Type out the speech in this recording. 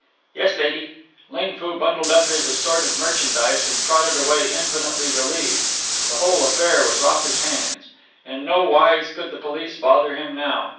"Yes, lady." Ling Foo bundled up his assorted merchandise and trotted away infinitely relieved. The whole affair was off his hands. In no wise could the police bother him now.